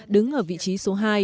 đứng ở vị trí số hai